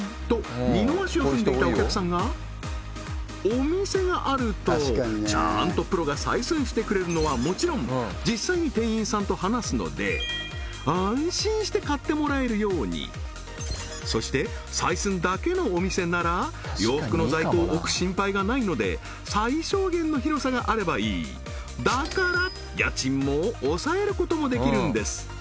お店があるとちゃんとプロが採寸してくれるのはもちろん実際に店員さんと話すので安心して買ってもらえるようにそして採寸だけのお店なら洋服の在庫を置く心配がないので最小限の広さがあればいいだから家賃も抑えることもできるんです